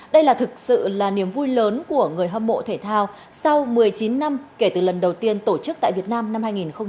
đây là thực sự là niềm vui lớn của người hâm mộ thể thao sau một mươi chín năm kể từ lần đầu tiên tổ chức tại việt nam năm hai nghìn một mươi tám